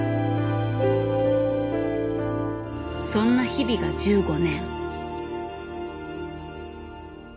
そんな日々が１５年。